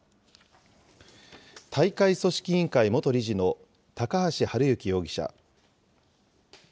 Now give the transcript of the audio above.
大会組織委員会元理事の高橋治之容疑者。